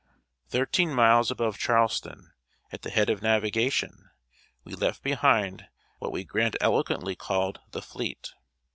Thirteen miles above Charleston, at the head of navigation, we left behind what we grandiloquently called "the fleet."